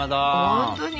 本当に？